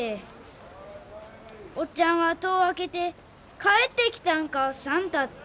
おっちゃんは戸を開けて「帰ってきたんか算太」って。